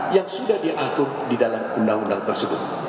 yang sudah diatur di dalam undang undang tersebut